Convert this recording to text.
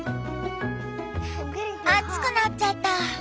熱くなっちゃった。